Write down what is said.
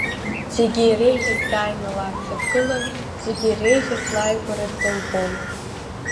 Зегьы иреиӷьыз дааины лаԥхьа дгылан, зегьы иреиӷьыз лааигәара дылбон.